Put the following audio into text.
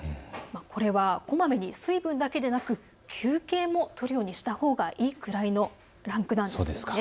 これはこまめに水分だけでなく休憩、休憩もとるようにしたほうがいいくらいのランクなんです。